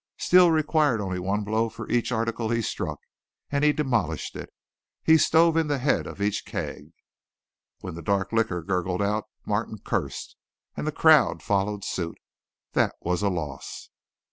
Steele required only one blow for each article he struck, and he demolished it. He stove in the head of each keg. When the dark liquor gurgled out, Martin cursed, and the crowd followed suit. That was a loss!